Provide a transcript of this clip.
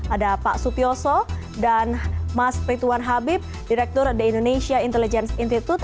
ada pak sutioso dan mas rituan habib direktur the indonesia intelligence institute